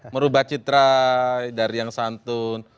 merubah citra dari yang santun